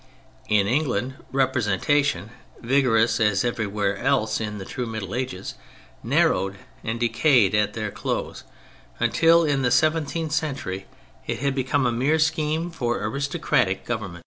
In England Representation, vigorous as everywhere else in the true Middle Ages, narrowed and decayed at their close, until in the seventeenth century it had become a mere scheme for aristocratic government.